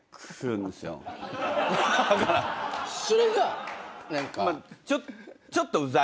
それが何か。